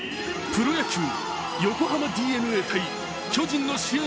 プロ野球、横浜ＤｅＮＡ対巨人の試合